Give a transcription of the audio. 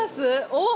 おっ。